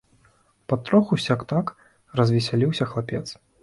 Патроху сяк-так развесяліўся хлапец.